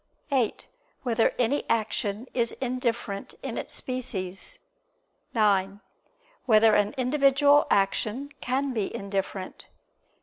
(8) Whether any action is indifferent in its species? (9) Whether an individual action can be indifferent?